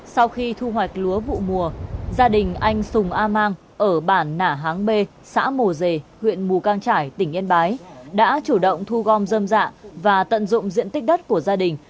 sau khi thu hoạch lúa vụ mùa gia đình anh sùng a mang ở bản nả háng b xã mồ rề huyện mù cang trải tỉnh yên bái đã chủ động thu gom dâm dạng và tận dụng diện tích đất của gia đình